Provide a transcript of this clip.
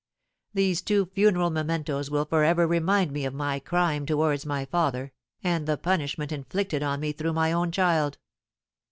These two funeral mementos will for ever remind me of my crime towards my father, and the punishment inflicted on me through my own child."